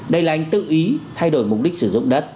đây là anh tự ý thay đổi mục đích sử dụng đất